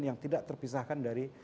yang tidak terpisahkan dari